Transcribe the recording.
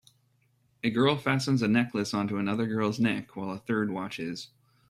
A young girl fastens a necklace onto another girl s neck while a third watches